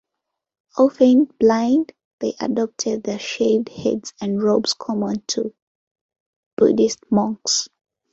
Often blind, they adopted the shaved heads and robes common to Buddhist monks.